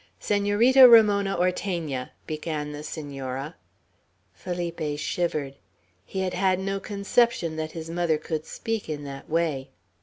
"Senorita Ramona Ortegna," began the Senora. Felipe shivered. He had had no conception that his mother could speak in that way.